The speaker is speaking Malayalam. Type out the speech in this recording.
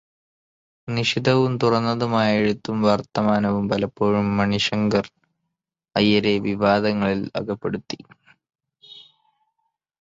നിശിതവും തുറന്നതുമായ എഴുത്തും വർത്തമാനവും പലപ്പോഴും മണിശങ്കർ അയ്യരെ വിവാദങ്ങളിൽ അകപ്പെടുത്തി.